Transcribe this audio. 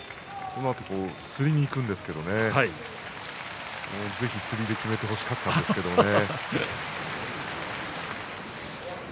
つりにいくんですけれどぜひ、つりできめてほしかったですけれどもね。